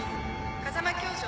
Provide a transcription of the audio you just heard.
風間教場